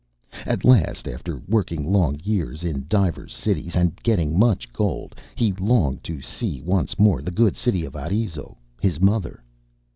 At last, after working long years in divers cities and getting much gold, he longed to see once more the good city of Arezzo, his mother.